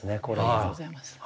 ありがとうございます。